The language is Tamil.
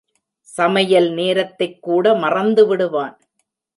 சமையல் நேரத்தைக் கூட மறந்துவிடுவான்.